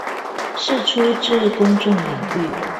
釋出至公眾領域